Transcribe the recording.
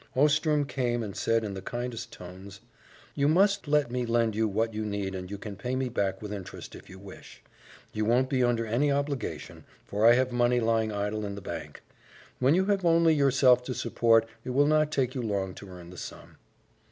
Ostrom came and said in the kindest tones: "You must let me lend you what you need and you can pay me back with interest, if you wish. You won't be under any obligation, for I have money lying idle in the bank. When you have only yourself to support it will not take you long to earn the sum."